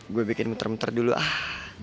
gue bikin muter muter dulu ah